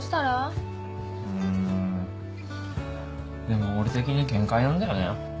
でも俺的に限界なんだよね。